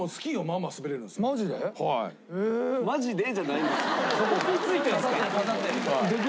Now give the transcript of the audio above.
「マジで？」じゃないんです。